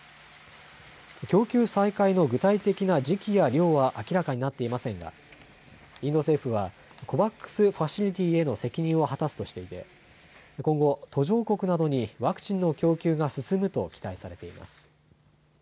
供給再開の具体的な時期や量は明らかになっていませんがインド政府はＣＯＶＡＸファシリティへの責任を果たすとしていて今後、途上国などにワクチンの供給が進むと期待されています。